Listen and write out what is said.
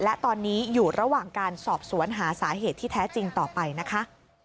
และตอนนี้อยู่ระหว่างการสอบสวนหาสาเหตุที่แท้จริงต่อไปนะคะ